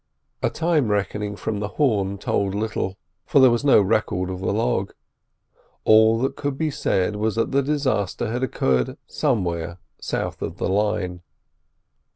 A time reckoning from the Horn told little, for there was no record of the log. All that could be said was that the disaster had occurred somewhere south of the line.